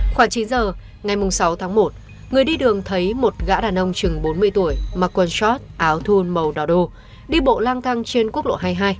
khoảng chín giờ ngày sáu tháng một người đi đường thấy một gã đàn ông chừng bốn mươi tuổi mặc quần short áo thun màu đỏ đồ đi bộ lang thang trên quốc lộ hai mươi hai